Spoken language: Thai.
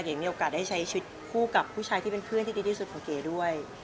มีโอกาสได้ใช้ชีวิตคู่กับผู้ชายที่เป็นเพื่อนที่ดีที่สุดของเก๋ด้วย